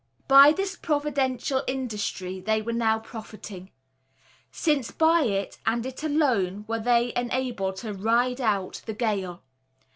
By this providential industry they were now profiting: since by it, and it alone, were they enabled to "ride out" the gale.